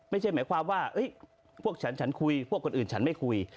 ไม่ใช่หมายความว่าพวกฉันฉันคุยพวกคนอื่นฉันไม่คุย